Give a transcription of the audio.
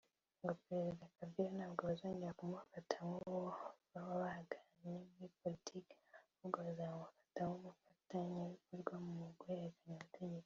ngo Perezida Kabila ntabwo bazongera kumufata nk’uwo bahanganye muri politiki ahubwo bazamufata nk’umufatanyabikorwa mu guhererekanya ubutegetsi